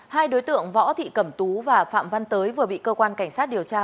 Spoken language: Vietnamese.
hai đối tượng võ thị cẩm tú và phạm văn tới vừa bị cơ quan cảnh sát điều tra